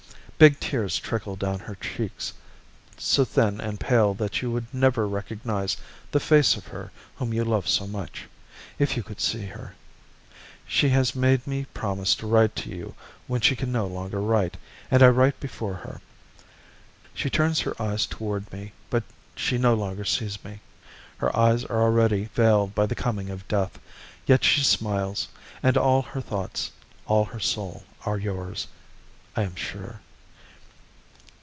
Big tears trickle down her cheeks, so thin and pale that you would never recognise the face of her whom you loved so much, if you could see her. She has made me promise to write to you when she can no longer write, and I write before her. She turns her eyes toward me, but she no longer sees me; her eyes are already veiled by the coming of death; yet she smiles, and all her thoughts, all her soul are yours, I am sure.